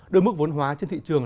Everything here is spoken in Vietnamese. đôi mức vốn hóa trên thị trường